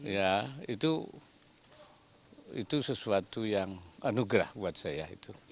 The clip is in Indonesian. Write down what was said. ya itu sesuatu yang anugerah buat saya